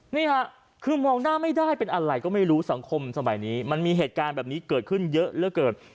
นี่ค่ะคือมองหน้าไม่ได้เป็นอะไรก็ไม่รู้สังคมสมัยนี้มันมีเหตุการณ์แบบนี้เกิดขึ้นเยอะเหลือเกิน